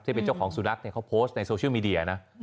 ที่เป็นเจ้าของสุนัขเขาโพสต์ในโซเชียลมีเดียนะ